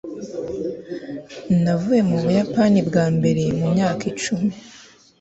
navuye mu buyapani bwa mbere mu myaka icumi